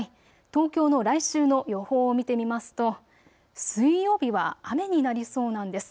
東京の来週の予報を見てみますと水曜日は雨になりそうなんです。